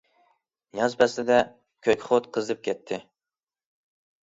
ياز پەسلىدە كۆكخوت قىزىپ كەتتى.